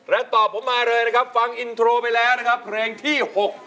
และตอบผมมาเลยนะครับฟังอินโทรไปแล้วนะครับเพลงที่๖